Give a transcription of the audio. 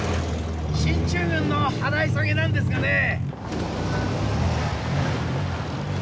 進駐軍の払い下げなんですがねぇ。